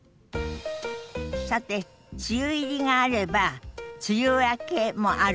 さて梅雨入りがあれば梅雨明けもあるわね。